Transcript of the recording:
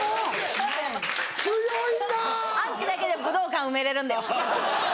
アンチだけで武道館埋めれるんだよ。